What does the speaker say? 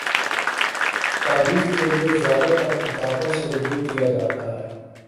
تاریخ کے لیے زیادہ ترکتابوں سے رجوع کیا جاتا ہے۔